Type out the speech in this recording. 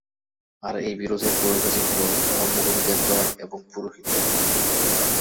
আর এই বিরোধের পরিণতি হল ধর্মগুরুদের জয় এবং পুরোহিতদের পতন।